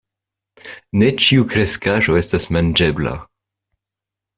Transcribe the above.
Ne ĉiu kreskaĵo estas manĝebla.